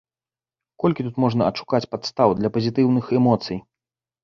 Колькі тут можна адшукаць падстаў для пазітыўных эмоцый!